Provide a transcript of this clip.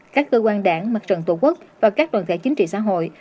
các cơ quan đảng mặt trận tổ quốc và các đoàn thể chính trị xã hội